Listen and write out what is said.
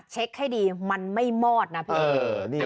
ให้ดีมันไม่มอดนะพี่